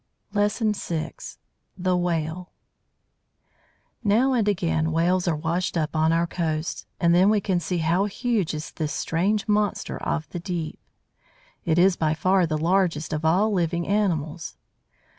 LESSON VI THE WHALE Now and again Whales are washed up on our coasts, and then we can see how huge is this strange monster of the deep. It is by far the largest of all living animals.